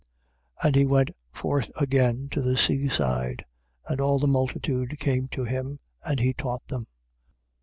2:13. And he went forth again to the sea side: and all the multitude came to him. And he taught them.